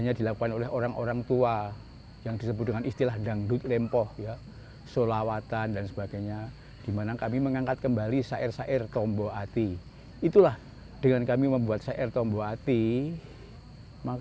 allah fafiru ilallah kembalilah kepada allah